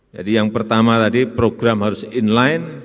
jadi yang pertama tadi program harus in line